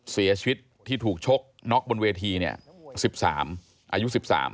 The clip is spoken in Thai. เสียชีวิตที่ถูกชกน็อกบนเวทีเนี่ย๑๓อายุ๑๓